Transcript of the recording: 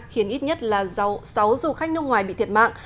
khiến ít nhất là sáu du khách nước ngoài bị thiệt mạng